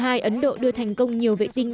ấn độ đưa thành công nhiều vệ tinh